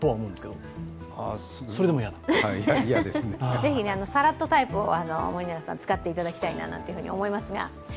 ぜひさらっとタイプを森永さん、使っていただきたいなと思うんですが。